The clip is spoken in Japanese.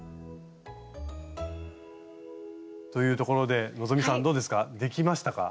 というところで希さんどうですか？できましたか？